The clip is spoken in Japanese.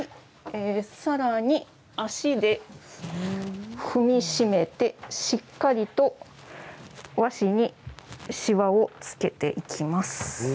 さらに足で踏み締めてしっかりと和紙にしわをつけていきます。